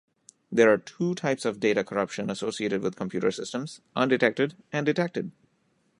There are two types of data corruption associated with computer systems: undetected and detected.